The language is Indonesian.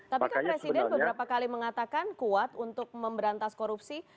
tapi kan presiden beberapa kali mengatakan kuat untuk memberantas korupsi